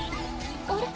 あれ？